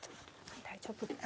大丈夫？